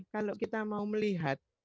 kalau kita mau melihat